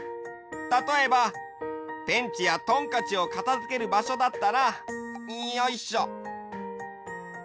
たとえばペンチやトンカチをかたづけるばしょだったらよいしょ。